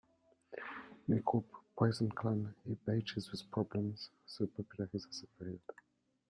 Les groupes Poison Clan et Bytches with Problems se popularisent à cette période.